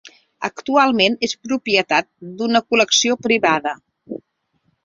Actualment és propietat d'una col·lecció privada.